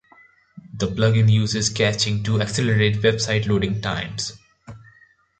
The plugin uses caching to accelerate website loading times.